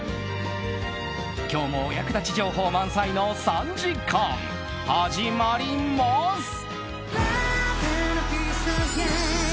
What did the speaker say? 今日もお役立ち情報満載の３時間始まります！